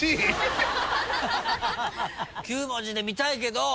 ９文字で見たいけど。